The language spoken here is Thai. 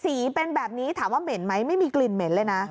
สีเป็นแบบนี้ถามว่าเหม็นไหมไม่มีกลิ่นเหม็นเลยนะ